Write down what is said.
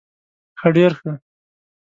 ښه ډير ښه